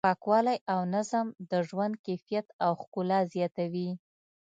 پاکوالی او نظم د ژوند کیفیت او ښکلا زیاتوي.